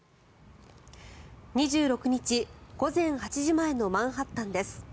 ２６日午前８時前のマンハッタンです。